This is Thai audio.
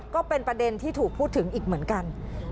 ก็เป็นประเด็นที่ถูกพูดถึงอีกเหมือนกัน